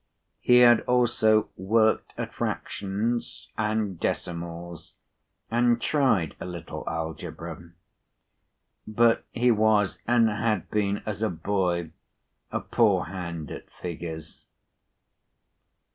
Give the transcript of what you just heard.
He had also worked at fractions and decimals, and tried a little algebra; but he was, and had been as a boy, a poor hand at figures.